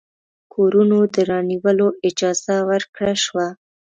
کورونو د رانیولو اجازه ورکړه شوه.